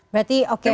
berarti oke baik